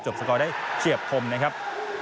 สกอร์ได้เฉียบคมนะครับ